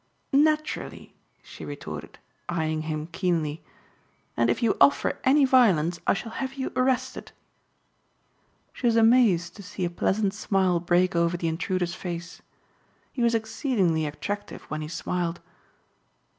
"Naturally," she retorted eyeing him keenly, "and if you offer any violence I shall have you arrested." She was amazed to see a pleasant smile break over the intruder's face. He was exceedingly attractive when he smiled.